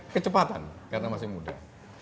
kecepatan karena masih muda